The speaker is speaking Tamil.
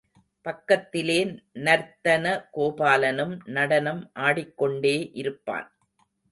பக்கத்திலே நர்த்தன கோபாலனும் நடனம் ஆடிக்கொண்டே இருப்பான்.